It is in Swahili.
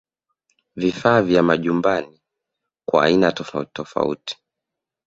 Vifaa vya majumbani kwa aina tofauti tofauti